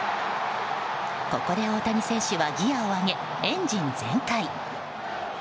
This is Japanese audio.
ここで、大谷選手はギアを上げエンジン全開。